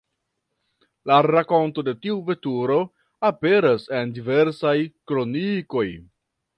La rakonto de tiu veturo aperas en diversaj kronikoj.